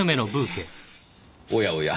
おやおや